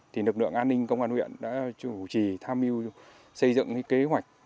thì lực lượng an ninh công an huyện đã chủ trì tham mưu xây dựng kế hoạch